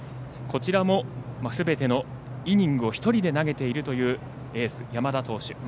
こちらもすべてのイニングを１人で投げているというエース、山田投手。